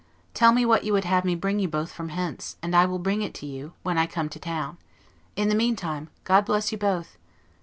Tell me what you would have me bring you both from hence, and I will bring it you, when I come to town. In the meantime, God bless you both!